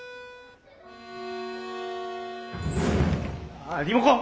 あリモコン！